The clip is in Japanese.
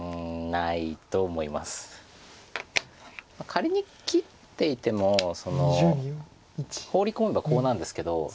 仮に切っていてもホウリ込めばコウなんですけど。